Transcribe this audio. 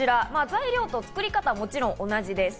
材料と作り方はもちろん同じです。